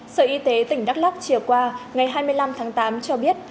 sở y tế tỉnh đắk lắc chiều qua ngày hai mươi năm tháng tám cho biết